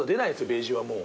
ベージュはもう。